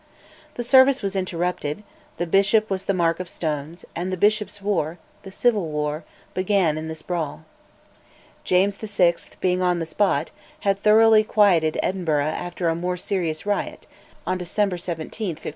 The service was interrupted, the Bishop was the mark of stones, and "the Bishops' War," the Civil War, began in this brawl. James VI., being on the spot, had thoroughly quieted Edinburgh after a more serious riot, on December 17, 1596.